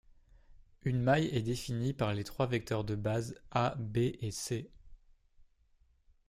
Une maille est définie par les trois vecteurs de base a, b et c.